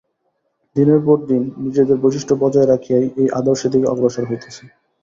দিনের পর দিন নিজেদের বৈশিষ্ট্য বজায় রাখিয়াই এই আদর্শের দিকে অগ্রসর হইতেছে।